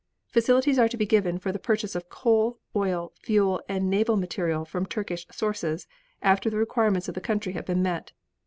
Facilities are to be given for the purchase of coal, oil, fuel and naval material from Turkish sources, after the requirements of the country have been met.